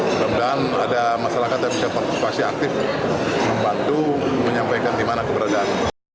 semoga ada masyarakat yang bisa berpaksa aktif membantu menyampaikan di mana keberadaan